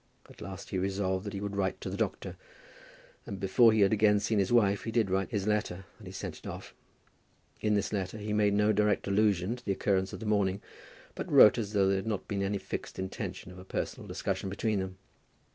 At last he resolved that he would write to the doctor; and before he had again seen his wife, he did write his letter, and he sent it off. In this letter he made no direct allusion to the occurrence of the morning, but wrote as though there had not been any fixed intention of a personal discussion between them.